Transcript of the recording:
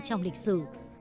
trong lịch sử